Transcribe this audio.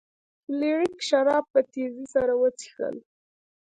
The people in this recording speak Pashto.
فلیریک شراب په تیزۍ سره وڅښل.